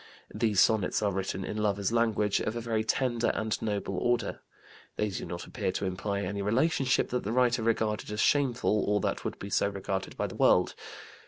These sonnets are written in lover's language of a very tender and noble order. They do not appear to imply any relationship that the writer regarded as shameful or that would be so regarded by the world.